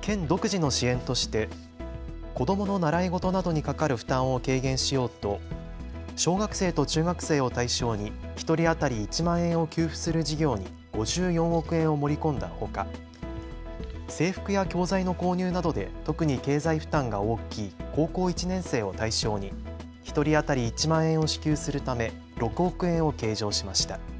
県独自の支援として子どもの習い事などにかかる負担を軽減しようと小学生と中学生を対象に１人当たり１万円を給付する事業に５４億円を盛り込んだほか制服や教材の購入などで特に経済負担が大きい高校１年生を対象に１人当たり１万円を支給するため６億円を計上しました。